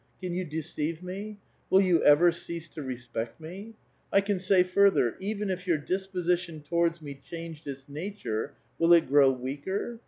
Can you deceive me? Will you ever oease to rospect me? I can say further : even if your dispo sition towards me changed its nature, will it grow weaker?